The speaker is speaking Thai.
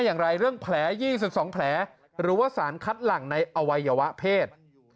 อย่างไรเรื่องแผล๒๒แผลหรือว่าสารคัดหลังในอวัยวะเพศ